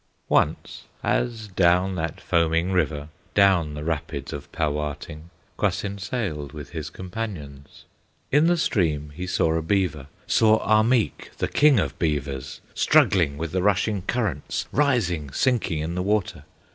Once as down that foaming river, Down the rapids of Pauwating, Kwasind sailed with his companions, In the stream he saw a beaver, Saw Ahmeek, the King of Beavers, Struggling with the rushing currents, Rising, sinking in the water.